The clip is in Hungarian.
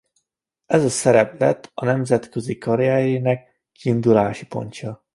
Ez a szerep lett nemzetközi karrierjének kiindulási pontja.